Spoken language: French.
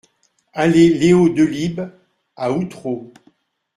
Allée Leo Delibes à Outreau